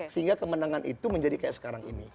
sehingga kemenangan itu menjadi kayak sekarang ini